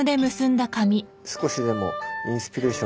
少しでもインスピレーションが湧けばと。